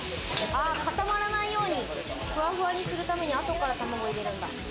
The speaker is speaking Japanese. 固まらないように、ふわふわにするために、後から卵を入れるんだ。